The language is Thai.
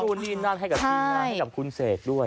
มาให้กับทางหน้าให้กับคุณเสกด้วย